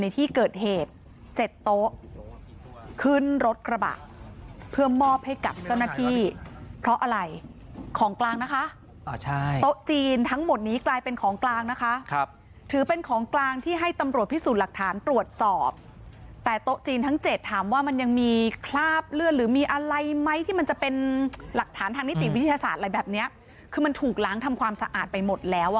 ที่เกิดเหตุ๗โต๊ะขึ้นรถกระบะเพื่อมอบให้กับเจ้าหน้าที่เพราะอะไรของกลางนะคะโต๊ะจีนทั้งหมดนี้กลายเป็นของกลางนะคะถือเป็นของกลางที่ให้ตำรวจพิสูจน์หลักฐานตรวจสอบแต่โต๊ะจีนทั้งเจ็ดถามว่ามันยังมีคราบเลือดหรือมีอะไรไหมที่มันจะเป็นหลักฐานทางนิติวิทยาศาสตร์อะไรแบบเนี้ยคือมันถูกล้างทำความสะอาดไปหมดแล้วอ่ะ